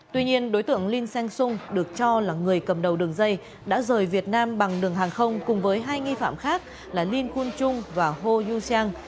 tuy nhiên đối tượng linh seng sung được cho là người cầm đầu đường dây đã rời việt nam bằng đường hàng không cùng với hai nghi phạm khác là linh khun trung và hô du sang